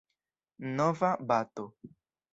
Nova bato.